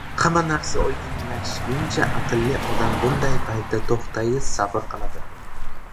hamma narsa oydinlashguncha aqlli odam bunday paytda to‘xtaydi, sabr qiladi.